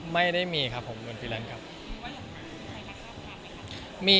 ไม่ได้มีครับผม